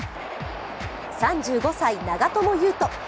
３５歳・長友佑都。